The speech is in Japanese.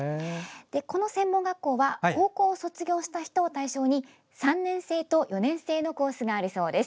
この専門学校は高校を卒業した人を対象に３年制と４年制のコースがあるそうです。